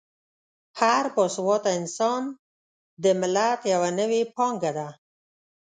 هر با سواده انسان د ملت یوه نوې پانګه ده.